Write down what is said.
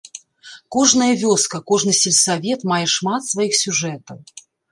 Кожная вёска, кожны сельсавет мае шмат сваіх сюжэтаў.